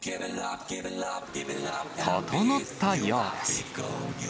ととのったようです。